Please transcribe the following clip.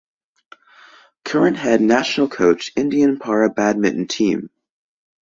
Current Head National Coach Indian Para Badminton Team.